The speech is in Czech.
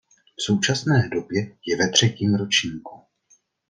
V současné době je ve třetím ročníku.